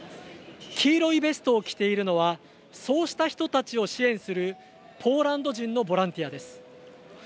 黄色いベストを着ているのはそうした人たちを支援するポーランド人のボランティアです。